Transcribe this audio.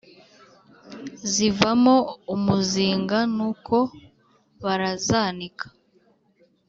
Zivamo imizinga nuko barazanika